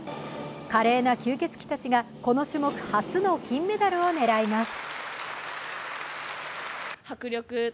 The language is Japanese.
華麗な吸血鬼たちがこの種目初の金メダルを狙います。